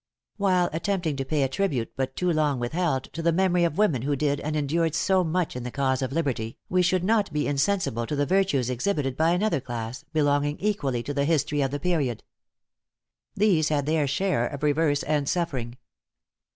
While attempting to pay a tribute but too long withheld, to the memory of women who did and endured so much in the cause of liberty, we should not be insensible to the virtues exhibited by another class, belonging equally to the history of the period. These had their share of reverse and suffering.